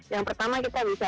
yang pertama kita bisa